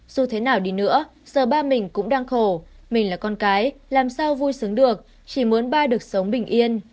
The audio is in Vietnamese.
dù thế nào đi nữa giờ ba mình cũng đang khổ mình là con cái làm sao vui xứng được chỉ muốn ba được sống bình yên